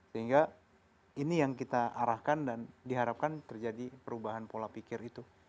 sehingga ini yang kita arahkan dan diharapkan terjadi perubahan pola pikir itu